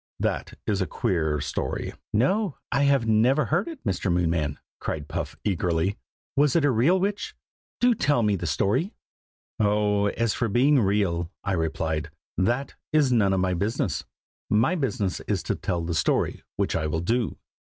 That is a queer story." "No, I have never heard it, Mr. Moonman!" cried Puff eagerly. "Was it a real witch? do tell me the story!" "Oh! as for being real," I replied, "that is none of my business. My business is to tell the story which I will do.